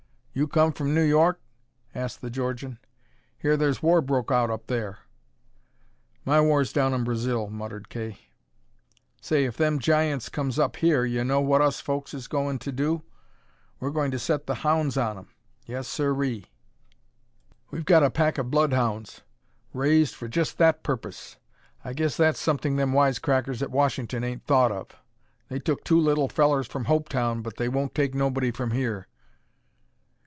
"You come from New York?" asked the Georgian. "Hear there's war broke out up there." "My war's down in Brazil," muttered Kay. "Say, if them Giants comes up here yuh know what us folks is going to do? We're going to set the hounds on 'em. Yes, sirree, we've got a pack of bloodhounds, raised for jest that purpose. I guess that's something them wisecrackers at Washington ain't thought of. They took two little fellers from Hopetown, but they won't take nobody from here."